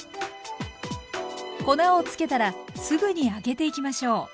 粉をつけたらすぐに揚げていきましょう。